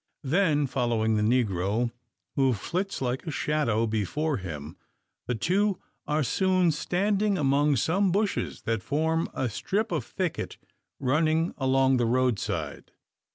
Then following the negro, who flits like a shadow before him, the two are soon standing among some bushes that form a strip of thicket running along the roadside.